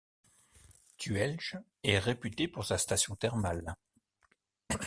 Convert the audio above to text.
Tuhelj est réputé pour sa station thermale.